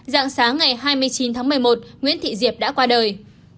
dạng sáng ngày hai mươi chín tháng một mươi một nguyễn thị diệp đã qua đời